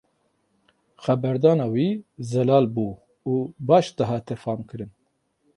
Xeberdana wî zelal bû û baş dihate famkirin.